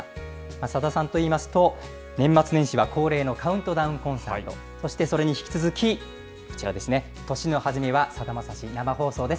さださんといいますと、年末年始は恒例のカウントダウンコンサート、そしてそれに引き続き、こちらですね、年の初めはさだまさし、生放送です。